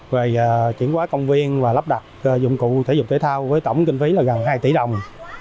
về chuyển quá công viên và lắp đặt dụng cụ thể dục thể thao với tổng kinh phí là gần hai tỷ đồng